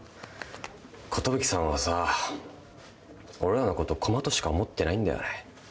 寿さんはさ俺らのこと駒としか思ってないんだ。